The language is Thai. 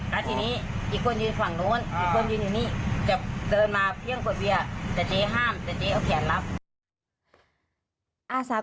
กดติดสิท่า